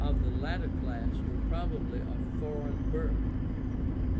the latter class were probably of foreign birth.